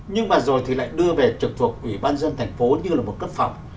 nhưng mà rồi thì lại đưa về trực thuộc ủy ban dân thành phố như là một cấp phòng